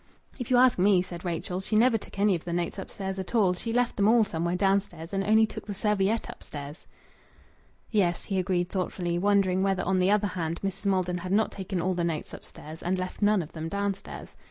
"If you ask me," said Rachel, "she never took any of the notes upstairs at all; she left them all somewhere downstairs and only took the serviette upstairs." "Yes," he agreed thoughtfully, wondering whether on the other hand, Mrs. Maldon had not taken all the notes upstairs, and left none of them downstairs.